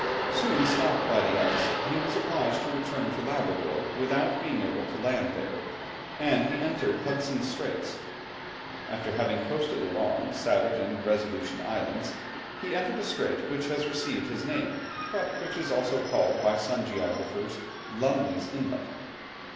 Soon stopped by the ice, he was obliged to return to Labrador without being able to land there, and he entered Hudson's Straits. After having coasted along Savage and Resolution Islands, he entered a strait which has received his name, but which is also called by some geographers, Lunley's inlet.